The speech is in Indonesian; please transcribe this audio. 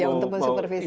ya untuk mensupervisi